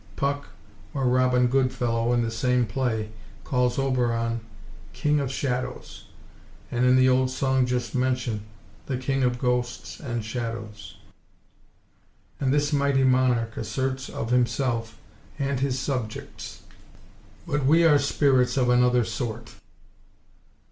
Puck, or Robin Goodfellow, in the same play, calls Oberon, "——King of shadows," and in the old song just mentioned, "The King of ghosts and shadows," and this mighty monarch asserts of himself, and his subjects, "But we are spirits of another sort."